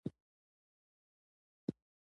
غریب له نیکو خلکو تمه لري